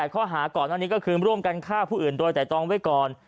ข้อหาก่อนอันนี้ก็คือร่วมกันฆ่าผู้อื่นโดยแต่ตองไว้ก่อน